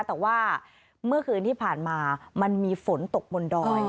แต่ว่าเมื่อคืนที่ผ่านมามันมีฝนตกบนดอย